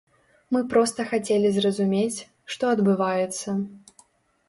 Мы проста хацелі зразумець, што адбываецца.